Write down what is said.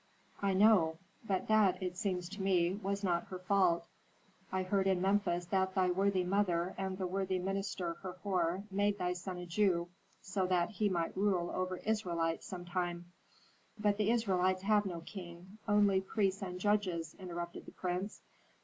"I know; but that, it seems to me, was not her fault. I heard in Memphis that thy worthy mother and the worthy minister Herhor made thy son a Jew, so that he might rule over Israelites sometime " "But the Israelites have no king, only priests and judges," interrupted the prince.